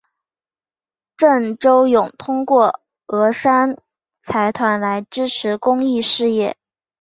郑周永通过峨山财团来支持公益事业。